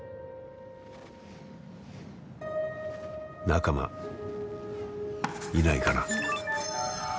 仲間いないかな？